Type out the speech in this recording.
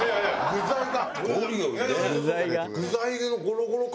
「具材が？」